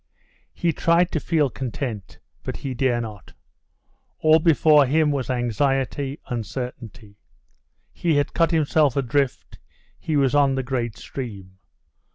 He tried to feel content; but he dare not. All before him was anxiety, uncertainty. He had cut himself adrift; he was on the great stream.